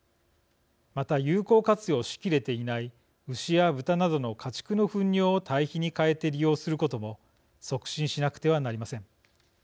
また、有効活用しきれていない牛や豚などの家畜のふん尿を堆肥に変えて利用することも促進しなくてはなりません。